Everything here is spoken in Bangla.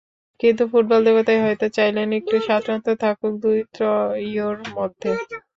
কিন্তু ফুটবল দেবতাই হয়তো চাইলেন, একটু স্বাতন্ত্র্য থাকুক দুই ত্রয়ীর মধ্যে।